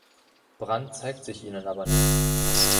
Brandt zeigt sich ihnen aber nicht.